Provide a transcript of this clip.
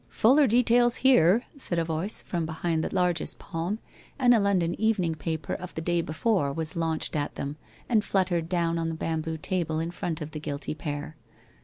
' Fuller details here !' said a voice from behind the largest palm and a London evening paper of the day be fore was launched at them and fluttered down on the bamboo table in front of the guilty pair.